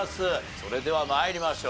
それでは参りましょう。